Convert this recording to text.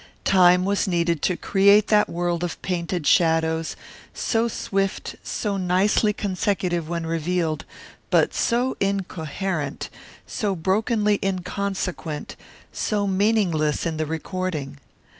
Time was needed to create that world of painted shadows, so swift, so nicely consecutive when revealed, but so incoherent, so brokenly inconsequent, so meaningless in the recording.